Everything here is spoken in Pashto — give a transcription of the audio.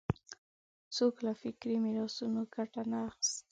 څوک له فکري میراثونو ګټه نه اخیستی